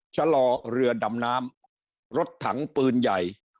ชะลอเรือดำน้ำรถถังปืนใหญ่